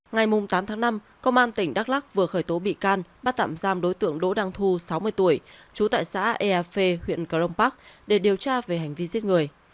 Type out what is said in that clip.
ngày tám tháng năm công an tỉnh đắk lắc vừa khởi tố bị can bắt tạm giam đối tượng đỗ đăng thu sáu mươi tuổi trú tại xã ea phê huyện cờ rông bắc để điều tra về hành vi giết người